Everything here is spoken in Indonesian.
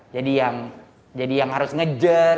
jadi yang harus ngejar